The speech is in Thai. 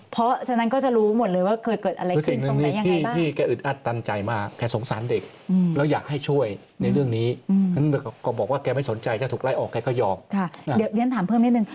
เพราะฉะนั้นก็จะรู้หมดเลยว่าเกิดอะไรขึ้นตรงนั้นยังไงบ้าง